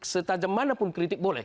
setajam mana pun kritik boleh